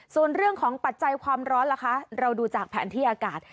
ส่วนเรื่องของปัจจัยความร้อนล่ะคะเราดูจากแผนที่อากาศ